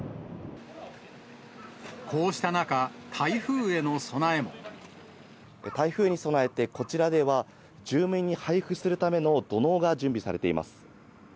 こうした中、台風に備えてこちらでは、住民に配布するための土のうが準備されています。